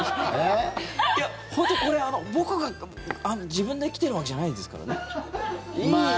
本当にこれ、僕が自分で来てるわけじゃないですからね。